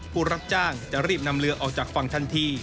ผู้รับจ้างจะรีบนำเรือออกจากฝั่งทันที